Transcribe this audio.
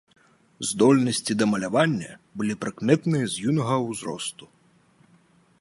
Здольнасці да малявання былі прыкметныя з юнага ўзросту.